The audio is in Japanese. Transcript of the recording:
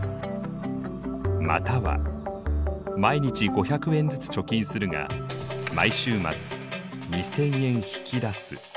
または毎日５００円ずつ貯金するが毎週末２０００円引き出す。